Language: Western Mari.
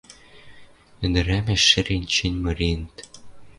Ӹдӹрӓмӓш, шӹрен чӹнь мыренӹт